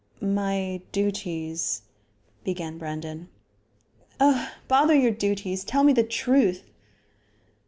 "My duties ," began Brandon. "Oh! bother your duties. Tell me the truth."